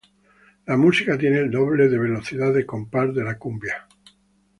La música tiene el doble de velocidad de compás de la cumbia.